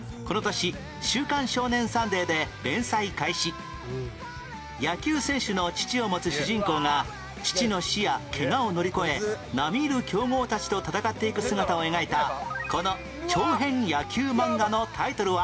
２９年前野球選手の父を持つ主人公が父の死やケガを乗り越え並み居る強豪たちと戦っていく姿を描いたこの長編野球漫画のタイトルは？